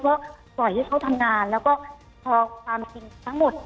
ก็ปล่อยให้เขาทำงานแล้วก็พอความจริงทั้งหมด